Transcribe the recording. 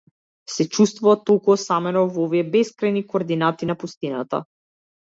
Се чувствува толку осамено во овие бескрајни координати на пустината.